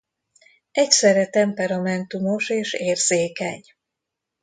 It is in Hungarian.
Egyszerre temperamentumos és érzékeny.